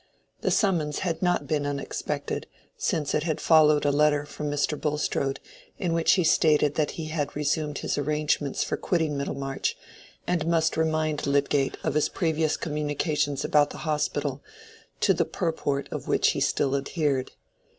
The summons had not been unexpected, since it had followed a letter from Mr. Bulstrode, in which he stated that he had resumed his arrangements for quitting Middlemarch, and must remind Lydgate of his previous communications about the Hospital, to the purport of which he still adhered.